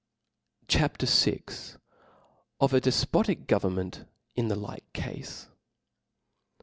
C H A P. VL Of a defpotic Government in the like Cafe.